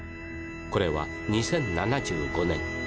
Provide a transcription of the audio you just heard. これは２０７５年。